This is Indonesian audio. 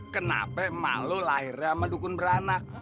kenapa emang lo lahirnya medukun beranak